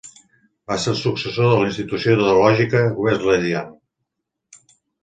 Va ser el successor de la Institució Teològica Wesleyan.